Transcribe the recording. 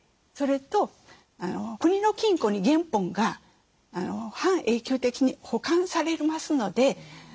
それと国の金庫に原本が半永久的に保管されますので。